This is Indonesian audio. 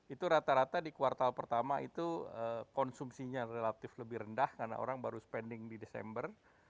itu rata rata di kuartal pertama itu konsumsinya relatif lebih rendah karena orang baru spending di desember